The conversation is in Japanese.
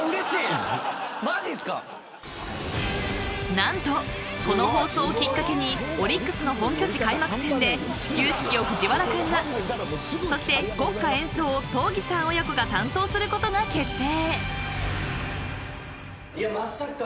何とこの放送をきっかけにオリックスの本拠地開幕戦で始球式を藤原君がそして国歌演奏を東儀さん親子が担当することが決定。